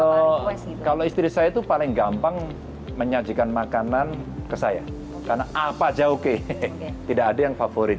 jauh oke tidak ada yang paling favorit ya kalau istri saya itu paling gampang menyajikan makanan ke saya karena apa jauh oke tidak ada yang paling favorit